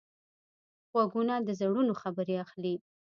غوږونه د زړونو خبرې اخلي